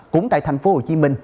cũng tại thành phố hồ chí minh